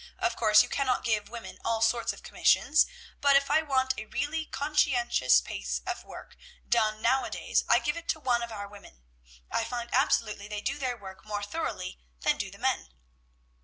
Of course you cannot give women all sorts of commissions; but if I want a really conscientious piece of work done nowadays, I give it to one of our women. I find absolutely they do their work more thoroughly than do the men.'